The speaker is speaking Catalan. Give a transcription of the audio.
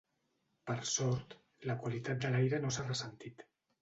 Per sort, la qualitat de l’aire no s’ha ressentit.